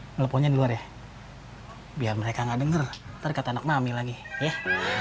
nelfonnya di luar ya biar mereka gak denger ntar kata anak mami lagi yeh